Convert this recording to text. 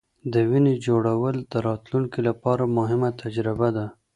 د وینې جوړول د راتلونکې لپاره مهمه تجربه ده.